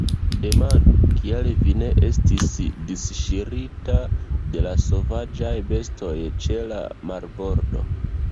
Demandu, kial vi ne estis disŝirita de la sovaĝaj bestoj ĉe la marbordo.